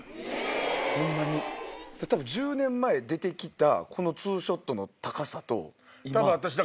え⁉１０年前出て来たこのツーショットの高さと今。